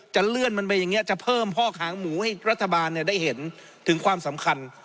เลื่อนมันไปอย่างนี้จะเพิ่มพอกหางหมูให้รัฐบาลได้เห็นถึงความสำคัญ